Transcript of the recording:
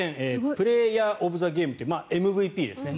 プレーヤー・オブ・ザ・ゲームというＭＶＰですね。